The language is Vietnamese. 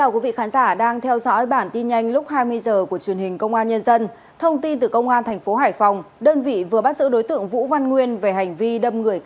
cảm ơn các bạn đã theo dõi